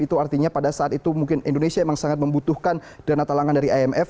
itu artinya pada saat itu mungkin indonesia memang sangat membutuhkan dana talangan dari imf